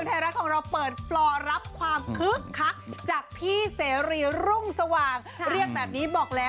น้ำตานองเจ้าระเข้